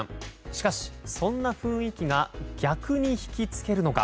しかし、そんな雰囲気が逆に引き付けるのか。